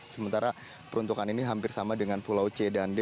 sementara peruntukan ini hampir sama dengan pulau c dan d